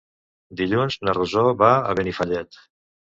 Dilluns na Rosó va a Benifallet.